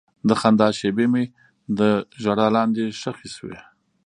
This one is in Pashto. د خندا شېبې مې د ژړا لاندې ښخې شوې.